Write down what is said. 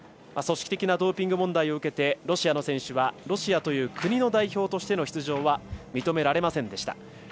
組織的なドーピング問題を受けてロシアの選手はロシアという国の代表としての出場は認められませんでした。